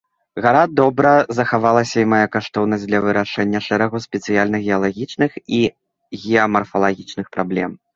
Гара добра захавалася і мае каштоўнасць для вырашэння шэрагу спецыяльных геалагічных і геамарфалагічных праблем.